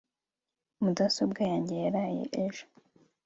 mudasobwa yanjye yaraye ejo